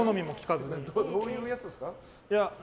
どういうやつですか？